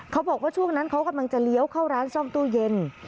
เขาบอกว่าช่วงนั้นเขากำลังจะเลี้ยวเข้าร้านซ่อมตู้เย็น